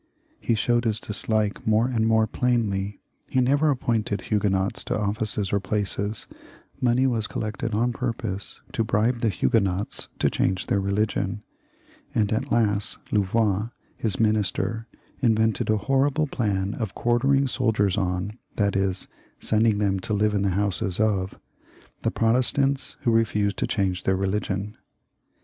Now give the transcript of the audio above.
He showed his dislike more and more plainly ; he never appointed Huguenots to offices or places ; money was collected on purpose to bribe Huguenots to change their religion ; and at last Louvois, his minister, invented a horrible plan of quartering soldiers on, that is, sending them to live in the houses of, the Pro testants who refused to change their religion.